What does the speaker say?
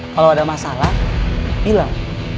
kalau ada masalah hilang